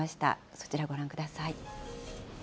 そちらご覧ください。